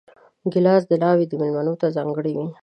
ګیلاس د ناوې مېلمنو ته ځانګړی وي.